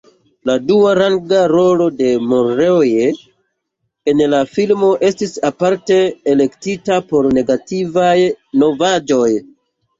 La duaranga rolo de Monroe en la filmo estis aparte elektita por negativaj novaĵoj.